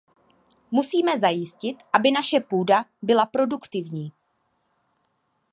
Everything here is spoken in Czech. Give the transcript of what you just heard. Musíme zajistit, aby naše půda byla produktivní.